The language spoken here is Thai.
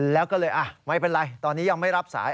แล้วก็เลยไม่เป็นไรตอนนี้ยังไม่รับสาย